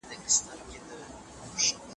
د مېوو خوړل د بدن لپاره دوا ده.